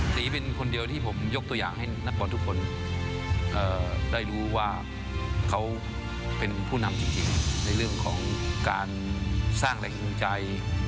นักบอร์นทุกคนได้รู้ว่าเขาเป็นผู้นำจริงในเรื่องของการสร้างแหล่งใจ